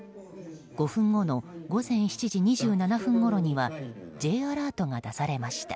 ５分後の午前７時２７分ごろにはＪアラートが出されました。